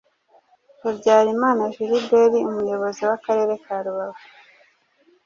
Habyarimana Gilbert umuyobozi w’akarere ka Rubavu